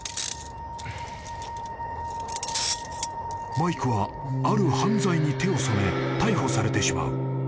［マイクはある犯罪に手を染め逮捕されてしまう］